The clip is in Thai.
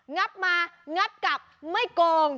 งับมางัดกลับไม่โกง